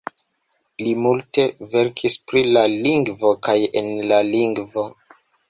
Li multe verkis pri la lingvo kaj en la lingvo.